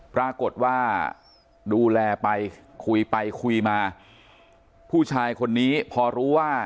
ปรากฏว่าดูแลไปคุยไปคุยมาผู้ชายคนนี้พอรู้ว่า